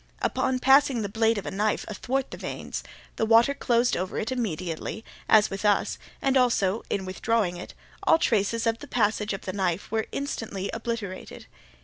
Upon passing the blade of a knife athwart the veins, the water closed over it immediately, as with us, and also, in withdrawing it, all traces of the passage of the knife were instantly obliterated.